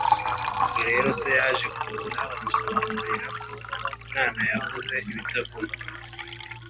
ubwo rero se yaje kuza bamusobanurira ko umwana yavuze ibitavugwa,